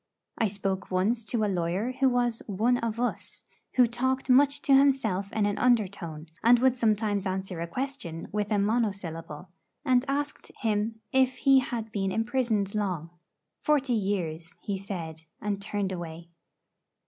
I spoke once to a lawyer who was 'one of us,' who talked much to himself in an undertone, and would sometimes answer a question with a monosyllable, and asked him if he had been imprisoned long. 'Forty years,' he said, and turned away.